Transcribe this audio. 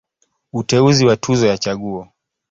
Uteuzi wa Tuzo ya Chaguo.